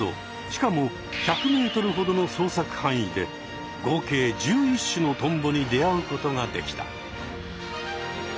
しかも１００ｍほどのそうさくはんいで合計１１種のトンボに出会うことができた。